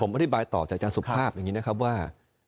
ผมอธิบายต่อจากจานสุภาพว่า